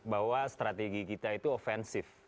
bahwa strategi kita itu offensif